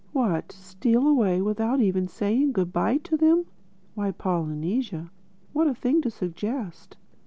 "What, steal away without even saying good bye to them! Why, Polynesia, what a thing to suggest!"